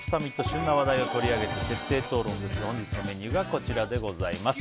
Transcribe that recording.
旬な話題を取り上げて徹底討論ですが本日のメニューがこちらでございます。